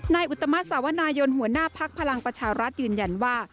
อุตมัติสาวนายนหัวหน้าพักพลังประชารัฐยืนยันว่า